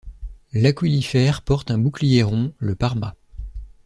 L'aquilifer porte un bouclier rond, le parma.